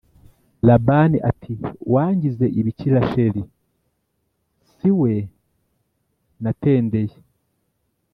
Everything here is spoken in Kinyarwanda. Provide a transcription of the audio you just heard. Labani ati Wangize ibiki Rasheli si we natendeye